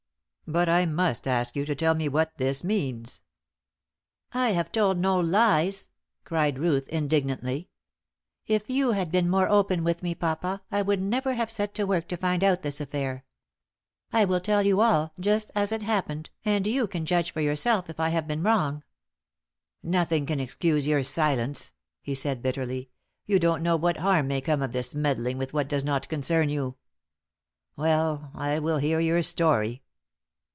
But I must ask you to tell me what this means?" "I have told no lies," cried Ruth, indignantly. "If you had been more open with me, papa, I would never have set to work to find out this affair. I will tell you all, just as it happened, and you can judge for yourself if I have been wrong." "Nothing can excuse your silence," he said, bitterly. "You don't know what harm may come of this meddling with what does not concern you. Well, I will hear your story."